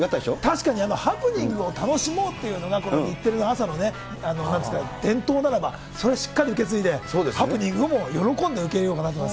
確かにハプニングを楽しもうっていうのが、この日テレの朝のね、なんですか、伝統ならば、それしっかり受け継いで、ハプニングも喜んで受け入れようかなと。